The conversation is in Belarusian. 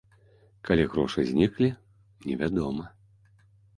Калі грошы зніклі, невядома.